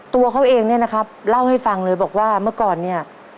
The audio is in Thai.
ตัวเขาเองเนี่ยนะครับเล่าให้ฟังเลยบอกว่าเมื่อก่อนเนี่ย